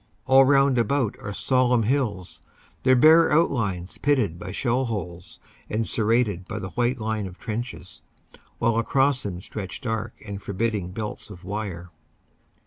All round about are sombre hills, ( their bare outlines pitted by shell holes and serrated by the white line of trenches, while across them stretch dark and forbidding belts of wire.